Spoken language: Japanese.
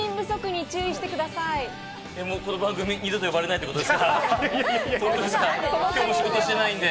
この番組、二度と呼ばれないってことですか？